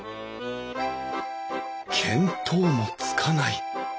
見当もつかない。